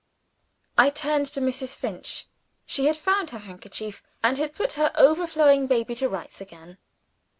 I turned to Mrs. Finch. She had found her handkerchief, and had put her overflowing baby to rights again.